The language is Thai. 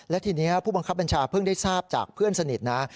และทีนี้ผู้บังคับบัญชาเพิ่งได้ทราบจากเพื่อนสนิทนะ